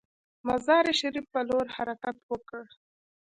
مزار شریف پر لور حرکت وکړ.